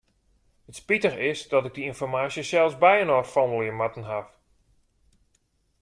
It spitige is dat ik dy ynformaasje sels byinoar fandelje moatten haw.